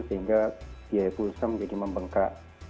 sehingga biaya pulsa menjadi membengkak